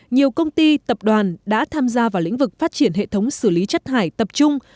nhiều công ty tập đoàn đã tham gia vào lĩnh vực phát triển hệ thống xử lý chất thải tập trung